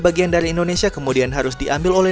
bagian dari indonesia kemudian harus diambil oleh